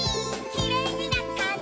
「きれいになったね」